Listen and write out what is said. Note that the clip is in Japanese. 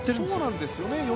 そうなんですよね。